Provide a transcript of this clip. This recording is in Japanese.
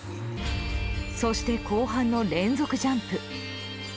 そして後半の連続ジャンプ。